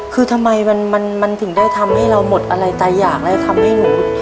คือทำไมมันถึงได้ทำให้เราหมดอะไรแต่อย่างแล้วทำให้หนู